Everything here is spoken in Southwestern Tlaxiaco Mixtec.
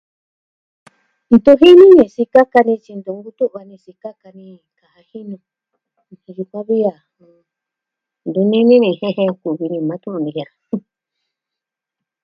Ntu jini ni sikaka ni tyi ntu vi tuva'a ni sikaka ni kaa jinu. Ntu jika vi a, ntu nini ni jen jen kuvi ni maa tɨɨn nijia.